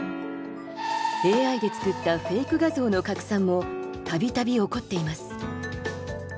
ＡＩで作ったフェイク画像の拡散もたびたび起こっています。